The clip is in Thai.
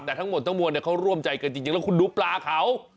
แต่ทั้งหมดทั้งมวลเขาร่วมใจกันจริงแล้วคุณดูปลาเขา